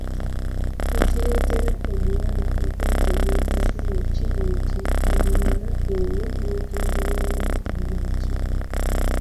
Ekireetera omuwala okwekoona akagere kiri nti, mu muwala oyo mwatonderwamu amagi